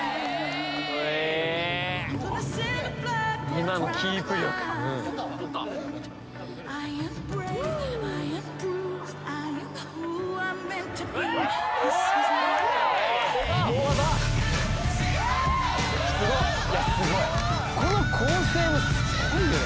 ・今のキープ力・大技・この構成もすっごいよね